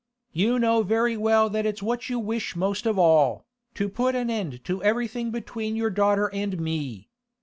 'You know very well that it's what you wish most of all, to put an end to everything between your daughter and me!